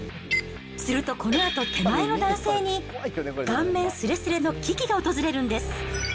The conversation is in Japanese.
するとこのあと手前の男性に、顔面すれすれの危機が訪れるんです。